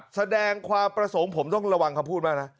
แสดงความประสงค์ผมต้องระวังคำพูดมากนะ